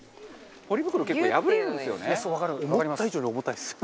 ポリ袋結構破れるんですよね。